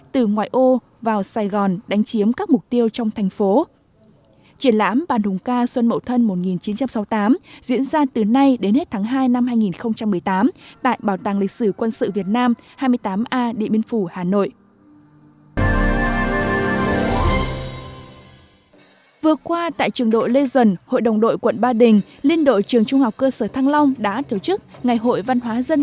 từ ngoài ô vào sài gòn đánh chiếm các mục tiêu trong thành phố